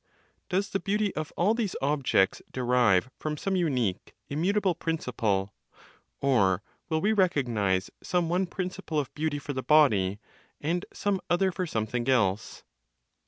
Does the beauty of all these objects derive from some unique, immutable principle, or will we recognize some one principle of beauty for the body, and some other for something else?